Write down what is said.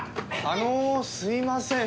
あのすいません。